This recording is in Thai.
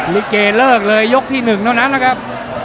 ลิเกเลิกเลยยกที่๑เท่านั้นนะครับ